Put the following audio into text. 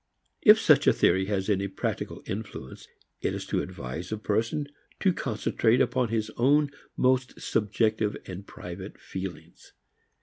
If such a theory has any practical influence, it is to advise a person to concentrate upon his own most subjective and private feelings.